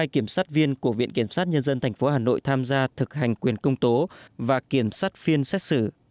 hai kiểm sát viên của viện kiểm sát nhân dân tp hà nội tham gia thực hành quyền công tố và kiểm sát phiên xét xử